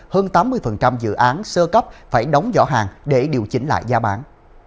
hơn tám mươi dự án sơ cấp phải đóng giỏ hàng để điều chỉnh lại giá bán